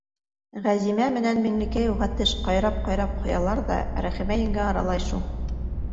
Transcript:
Ғәзимә менән Миңлекәй уға теш ҡайрап-ҡайрап ҡуялар ҙа, Рәхимә еңгә аралай шул.